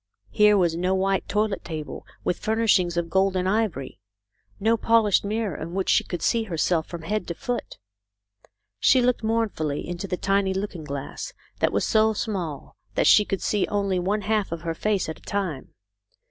Here was no white toilet table with furnishings of gold and ivory; no polished mirror in which she could see herself from head to foot. She looked mournfully into the tiny looking glass that was so small that she could see only one half of her face at a time.